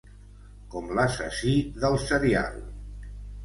Com l'assassí del serial.